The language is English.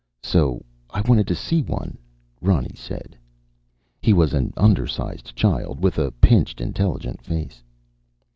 "So I wanted to see one," Ronny said. He was an undersized child with a pinched, intelligent face.